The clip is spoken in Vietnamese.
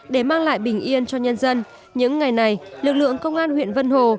để mang lại bình yên cho nhân dân những ngày này lực lượng công an huyện vân hồ